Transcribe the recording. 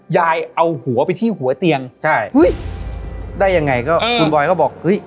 ยายเอาหัวไปที่หัวเตียงใช่เฮ้ยได้ยังไงก็คุณบอยก็บอกเฮ้ย